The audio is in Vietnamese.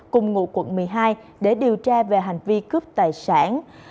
cùng ngụ quận một mươi hai để điều tra về hành vi cướp tài sản